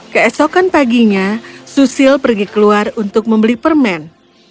keesokan paginya susil pergi keluar untuk membeli permen